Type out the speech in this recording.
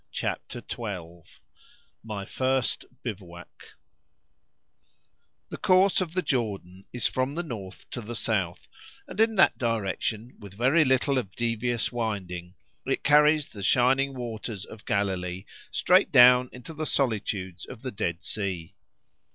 CHAPTER XII—MY FIRST BIVOUAC The course of the Jordan is from the north to the south, and in that direction, with very little of devious winding, it carries the shining waters of Galilee straight down into the solitudes of the Dead Sea.